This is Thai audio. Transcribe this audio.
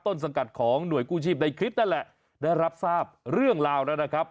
สังกัดของหน่วยกู้ชีพในคลิปนั่นแหละได้รับทราบเรื่องราวแล้วนะครับ